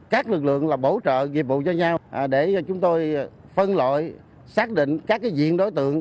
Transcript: các lực lượng là bổ trợ nghiệp vụ cho nhau để chúng tôi phân loại xác định các diện đối tượng